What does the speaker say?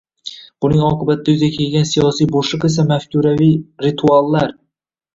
Buning oqibatida yuzaga kelgan siyosiy bo‘shliq esa mafkuraviy rituallar